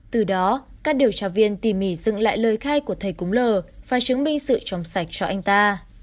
từ đó các điều tra viên tỉ mỉ dựng lại lời khai của thầy cúng l và chứng minh sự trong sạch cho anh ta